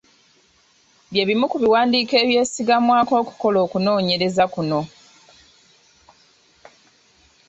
Bye bimu ku biwandiiko ebyesigamwako okukola okunoonyereza kuno.